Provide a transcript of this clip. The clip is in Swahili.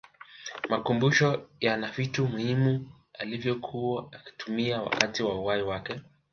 makumbusho yana vitu muhimu alivyokuwa akitumia wakati wa uhai wake